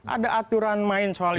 ada aturan main soal itu